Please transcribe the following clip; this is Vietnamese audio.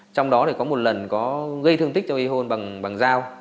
trong đó thì có một lần có gây thương tích cho y hôn bằng dao